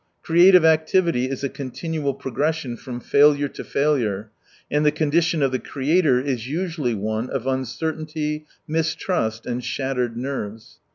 Creative activity is a continual progression from failure to failure, and the condition of the creator is usually one of uncertainty, mistrust, and shattered nerves.